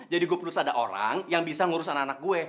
jadi gue perlu ada orang yang bisa ngurus anak anak gue